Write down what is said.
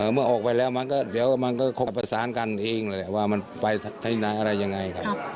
เมื่อออกไปแล้วเดี๋ยวมันก็ควบประสานกันเองว่ามันไปที่ไหนอะไรยังไง